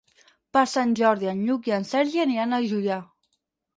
Per Sant Jordi en Lluc i en Sergi aniran a Juià.